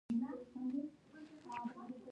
ایا ستاسو نن ورځ ښه وه؟